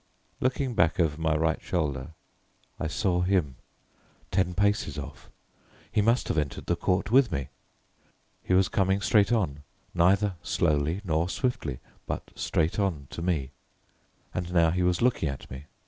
Looking back over my right shoulder, I saw him, ten paces off. He must have entered the court with me. He was coming straight on, neither slowly, nor swiftly, but straight on to me. And now he was looking at me.